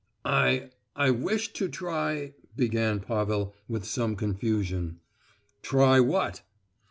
"I—I wished to try——," began Pavel, with some confusion. "Try what?"